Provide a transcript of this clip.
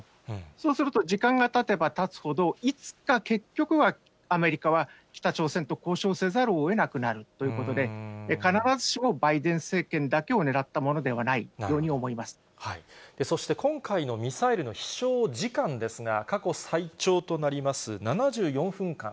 そうすると、時間がたてばたつほど、いつか結局はアメリカは北朝鮮と交渉をせざるをえなくなるということで、必ずしもバイデン政権だけを狙ったものではないというように思いそして今回のミサイルの飛しょう時間ですが、過去最長となります７４分間。